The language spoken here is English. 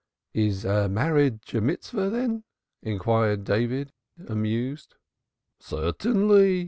"Is marriage a Mitzvah, then?" inquired David, amused. "Certainly.